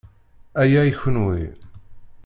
Aya i kenwi.